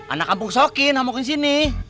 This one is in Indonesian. anak kampung sokin gak mau kesini